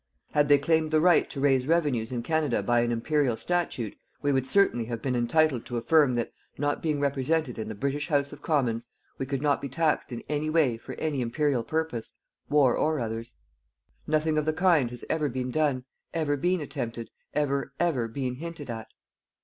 Had they claimed the right to raise revenues in Canada by an Imperial statute, we would certainly have been entitled to affirm that not being represented in the British House of Commons, we could not be taxed in any way for any Imperial purpose war or others. Nothing of the kind has ever been done, ever been attempted, even ever been hinted at.